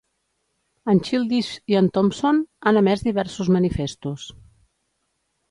En Childish i en Thomson han emès diversos manifestos.